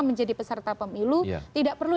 menjadi peserta pemilu tidak perlu